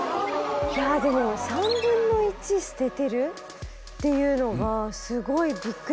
いやでも３分の１捨ててるっていうのがすごいびっくりしましたね。